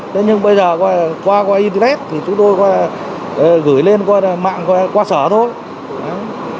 thế nhưng bây giờ qua internet thì chúng tôi gửi lên mạng qua sở thôi